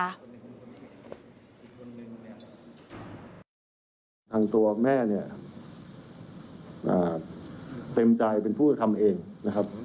ทั้งตัวแม่เนี้ยเต็มใจเป็นผู้ทำเองนะครับ